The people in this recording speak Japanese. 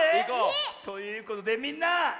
えっ⁉ということでみんな。